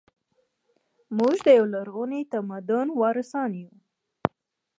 موږ د یو لرغوني تمدن وارثان یو